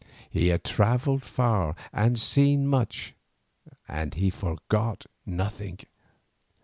He had travelled far, and seen much, and he forgot nothing.